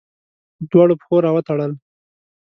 پر دواړو پښو راوتړل